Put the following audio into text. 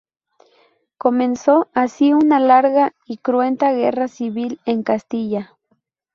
Comenzó así una larga y cruenta guerra civil en Castilla.